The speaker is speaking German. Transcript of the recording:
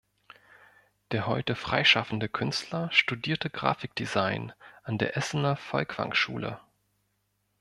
Der heute freischaffende Künstler studierte Grafikdesign an der Essener Folkwangschule.